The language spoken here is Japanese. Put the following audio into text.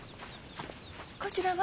こちらは？